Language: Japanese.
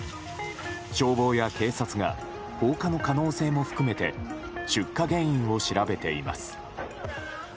消防や警察が放火の可能性も含めて出火原因を調べています。